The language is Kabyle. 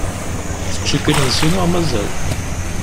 Teččiḍ imensi neɣ mazal?